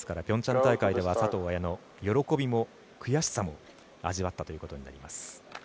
ピョンチャン大会では佐藤綾乃喜びも悔しさも味わったということになります。